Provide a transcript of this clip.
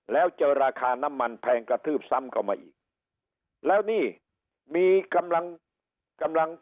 แล้วเจอราคาน้ำมันแพงกระทืบซ้ำเข้ามาอีกแล้วนี่มีกำลังกำลัง